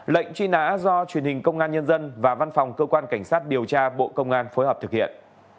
lệnh truy nã do truyền hình công an nhân dân và văn phòng cơ quan cảnh sát điều tra bộ công an phối hợp thực hiện